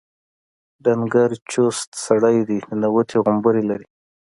ډنګر چوست سړی دی ننوتي غومبري لري.